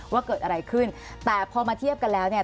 ว่าเกิดอะไรขึ้นแต่พอมาเทียบกันแล้วเนี่ย